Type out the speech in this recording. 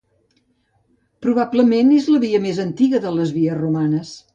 Probablement és la via més antiga de les vies romanes.